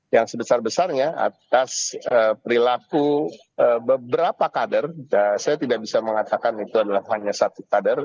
yang sebesar besarnya atas perilaku beberapa kader saya tidak bisa mengatakan itu adalah hanya satu kader